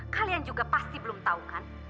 kalian juga pasti belum tahu kan